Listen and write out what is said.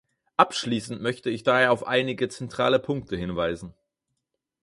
Abschließend möchte ich daher auf einige zentrale Punkte hinweisen.